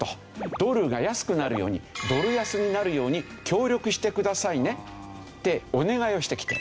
ドルが安くなるようにドル安になるように協力してくださいねってお願いをしてきて。